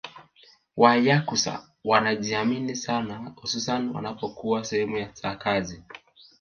Wanyakyusa wanajiamini sana hususani wanapokuwa sehemu za kazi